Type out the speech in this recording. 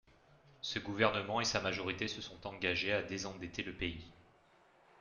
Ce gouvernement et sa majorité se sont engagés à désendetter le pays.